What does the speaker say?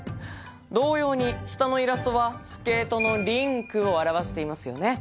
同様に下のイラストはスケートのリンクを表していますよね